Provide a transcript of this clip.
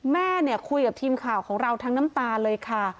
แม่เนี่ยคุยกับทีมข่าวของเราทั้งน้ำตาเลยค่ะ